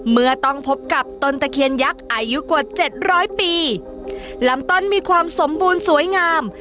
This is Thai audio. เมื่อต้องพบกับต้นตะเคียนยักษ์อายุกว่าเจ็ดร้อยปีลำต้นมีความสมบูรณ์สวยงาม